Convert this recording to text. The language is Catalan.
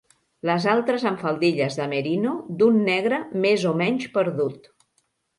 Les altres amb faldilles de merino, d'un negre més o menys perdut.